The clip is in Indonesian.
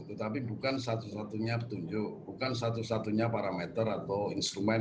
tetapi bukan satu satunya petunjuk bukan satu satunya parameter atau instrumen